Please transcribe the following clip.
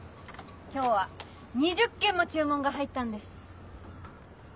今日は２０件も注文が入ったんです。